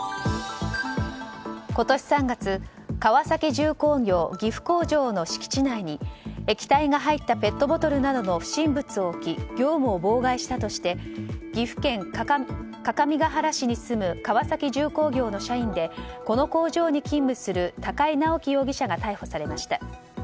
今年３月川崎重工業岐阜工場の敷地内に液体が入ったペットボトルなどの不審物を置き業務を妨害したとして岐阜県各務原市に住む川崎重工業の社員でこの工場に勤務する高井直輝容疑者が逮捕されました。